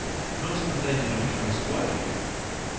— not that they did not come his way. ...